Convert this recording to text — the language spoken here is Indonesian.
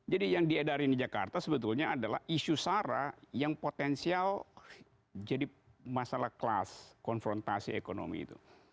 jadi yang diedarin di jakarta sebetulnya adalah isu sarah yang potensial jadi masalah kelas konfrontasi ekonomi itu